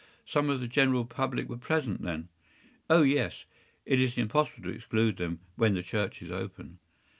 Some of the general public were present, then?” “Oh yes. It is impossible to exclude them when the church is open.